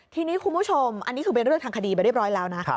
ทีนี้คุณผู้ชมอันนี้คือเป็นเรื่องทางคดีไปเรียบร้อยแล้วนะ